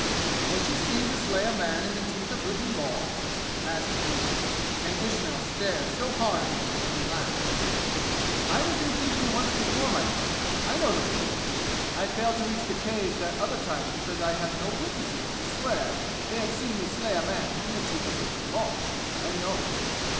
"Was she seen to slay a man in the teeth of written law?" asked King, and Ismail stared so hard at him that he laughed. "I was in Khinjan once before, my friend! I know the rule! I failed to reach the Caves that other time because I had no witnesses to swear they had seen me slay a man in the teeth of written law. I know!"